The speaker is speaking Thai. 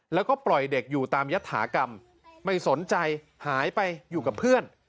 แล้วก็ปล่อยเด็กอยู่ตามยัตถากรรมไม่สนใจหายไปอยู่กับเพื่อน